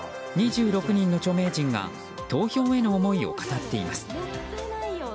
２６人の著名人が投票への思いを語っています。